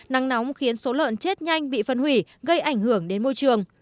nắng nóng khiến số lợn chết nhanh bị phân hủy gây ảnh hưởng đến môi trường